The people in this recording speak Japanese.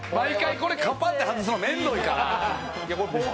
これカパッて外すの面倒だから。